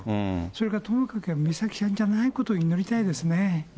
それとどうか美咲ちゃんじゃないことを祈りたいですね。